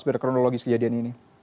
berkronologi kejadian ini